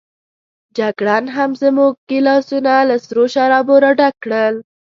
جګړن هم زموږ ګیلاسونه له سرو شرابو راډک کړل.